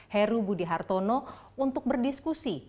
heru budi hartono untuk berdiskusi